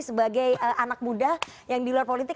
sebagai anak muda yang di luar politik